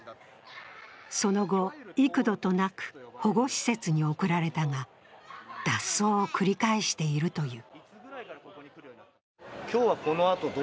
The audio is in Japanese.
その後、幾度となく保護施設に送られたが、脱走を繰り返しているという。